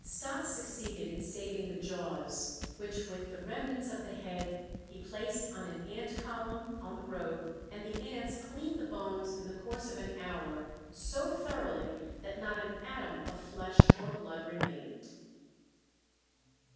Stas succeeded in saving the jaws, which with the remnants of the head he placed on an ant column on the road, and the ants cleaned the bones in the course of an hour so thoroughly that not an atom of flesh or blood remained.